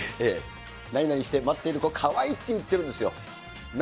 何々して待っている子、かわいいって言ってるんですよ。